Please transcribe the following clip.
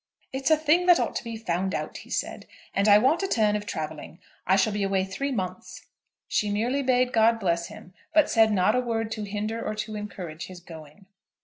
"It's a thing that ought to be found out," he said, "and I want a turn of travelling. I shall be away three months." She merely bade God bless him, but said not a word to hinder or to encourage his going.